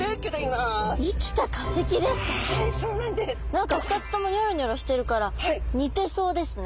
何か２つともニョロニョロしてるから似てそうですね。